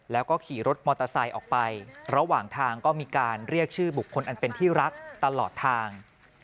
แล้วก็ขี่รถมอเตอร์ไซค์ออกไประหว่างทางก็มีการเรียกชื่อบุคคลอันเป็นที่รักตลอดทาง